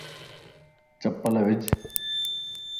چپل وج